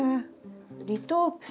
リトープス。